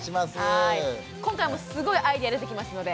今回もすごいアイデア出てきますので。